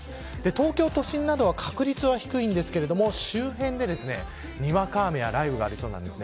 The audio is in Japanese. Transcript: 東京都心などは確率は低いんですが周辺でにわか雨や雷雨がありそうです。